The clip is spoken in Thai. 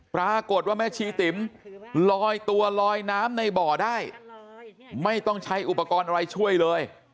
ปรากฏว่าแม่ชีติ๋มลอยตัวลอยน้ำในบ่อได้ไม่ต้องใช้อุปกรณ์อะไรช่วยเลย